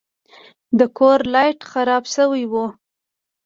د کور لایټ خراب شوی و.